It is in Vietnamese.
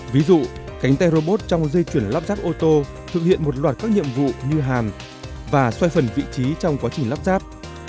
ví dụ cánh tay robot trong dây chuyển lắp ráp ô tô thực hiện một loạt các nhiệm vụ như hàn và xoay phần vị trí trong quá trình lắp ráp